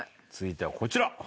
続いてはこちら！